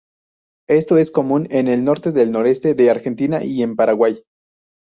Esto es común en el norte del Noreste de Argentina y en Paraguay.